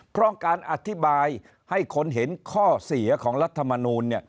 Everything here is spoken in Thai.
เพราะการอธิบายให้คนเห็นข้อเสียของรัฐมนูล